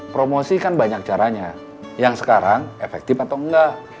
promosi kan banyak caranya yang sekarang efektif atau enggak